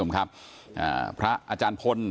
กลุ่มครับพระอาจารย์พล